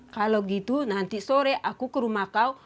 kalau gitu nanti sore aku ke rumah kau